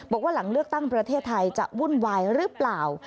บอกว่าหลังเลือกตั้งประเทศไทยจะวุ่นวายหรือเปล่า